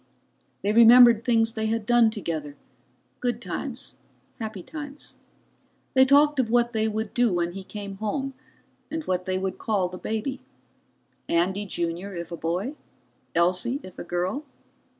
They remembered things they had done together, good times, happy times. They talked of what they would do when he came home, and what would they call the baby? Andy Junior if a boy? Elsie if a girl?